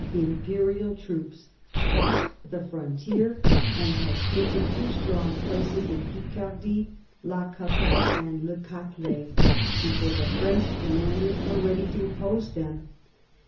Imperial trOops crossed the frontier, and had taken two strong places in Picardy, La Capelle and Le Catelet, before the French commanders were ready to oppose them.